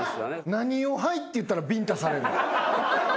何を「はい」って言ったらビンタされるの？